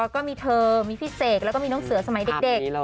ก็มีเธอมีพี่เสกแล้วก็มีน้องเสือสมัยเด็ก